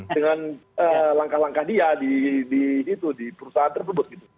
dengan langkah langkah dia di perusahaan tersebut